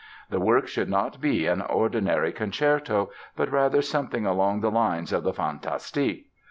The work should not be an ordinary concerto, but rather something along the lines of the "Fantastique".